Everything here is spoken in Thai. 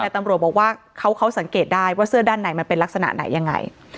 แต่ตำรวจบอกว่าเขาสังเกตได้ว่าเสื้อด้านไหนมันเป็นลักษณะไหนยังไง